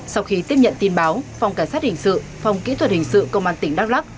sau khi tiếp nhận tin báo phòng cảnh sát hình sự phòng kỹ thuật hình sự công an tỉnh đắk lắc